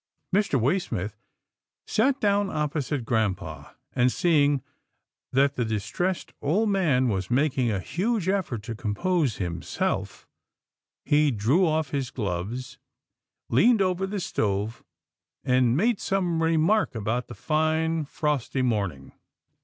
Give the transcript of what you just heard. Mr. Waysmith sat down opposite grampa, and, seeing that the distressed old man was making a huge effort to compose himself, he drew off his A TEDIOUS WAITING 187 gloves, leaned over the stove, and made some re mark about the fine, frosty morning.